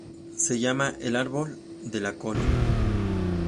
Se llama "El árbol de la col".